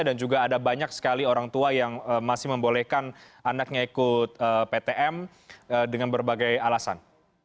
dan juga ada banyak sekali orang tua yang masih membolehkan anaknya ikut ptm dengan berbagai alasan